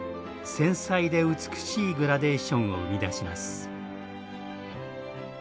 繊細で美しいグラデーションを生み出します。